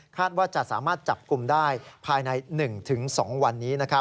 ว่าจะสามารถจับกลุ่มได้ภายใน๑๒วันนี้